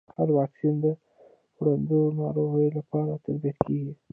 هر واکسین د اړوندو ناروغيو لپاره تطبیق کېږي.